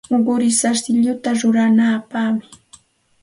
Quri sarsilluta ruranapaqmi.